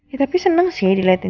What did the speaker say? ya tapi seneng sih diliatin gaby